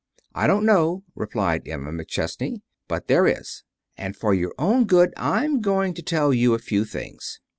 "I don't know," replied Emma McChesney, "but there is. And for your own good I'm going to tell you a few things.